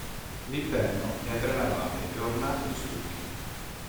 L'interno è a tre navate e ornato di stucchi.